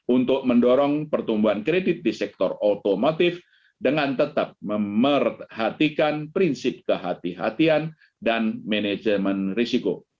untuk mendorong pertumbuhan kredit di sektor otomotif dengan tetap memerhatikan prinsip kehatian dan manajemen risiko